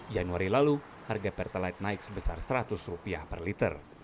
januari lalu harga pertalite naik sebesar rp seratus per liter